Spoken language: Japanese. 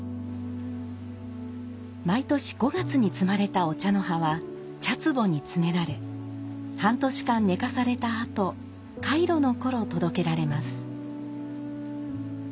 毎年５月に摘まれたお茶の葉は茶壺に詰められ半年間寝かされたあと開炉の頃届けられます。